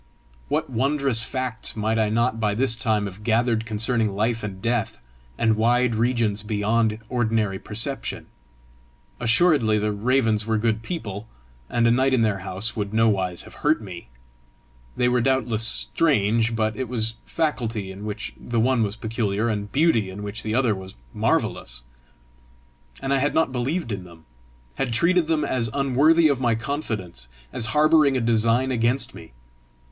What wondrous facts might I not by this time have gathered concerning life and death, and wide regions beyond ordinary perception! Assuredly the Ravens were good people, and a night in their house would nowise have hurt me! They were doubtless strange, but it was faculty in which the one was peculiar, and beauty in which the other was marvellous! And I had not believed in them! had treated them as unworthy of my confidence, as harbouring a design against me!